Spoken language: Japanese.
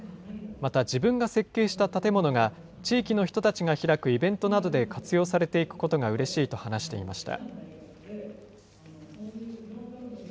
また、自分が設計した建物が地域の人たちが開くイベントなどで活用されていくことがうれしいと話していました。